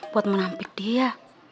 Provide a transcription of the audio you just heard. buat menampik dia